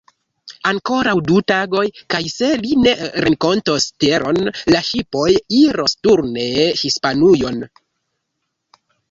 Ankoraŭ du tagoj kaj, se li ne renkontos teron, la ŝipoj iros returne Hispanujon.